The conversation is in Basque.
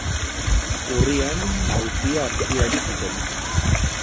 Urrian, auzia artxibatu zuten.